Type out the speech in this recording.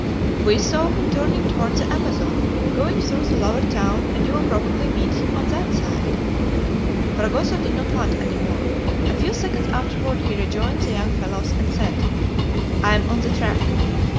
"We saw him turning toward the Amazon, going through the lower town, and you will probably meet him on that side." Fragoso did not want any more. A few seconds afterward he rejoined the young fellows, and said: "I am on the track."